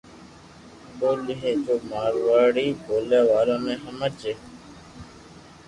ڀولي ھي جو مارواڙي ٻوليا وارو ني ھمج